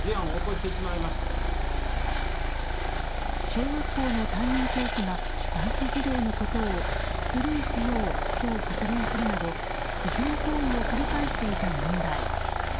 小学校の担任教師が男子児童のことをスルーしようと発言するなどいじめ行為を繰り返していた問題。